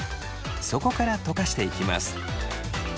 そこからとかしていきます。